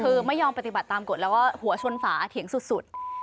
คือไม่ยอมปฏิบัติตามกฎแล้วก็หัวชนฝาเถียงสุด